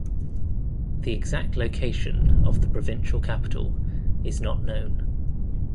The exact location of the provincial capital is not known.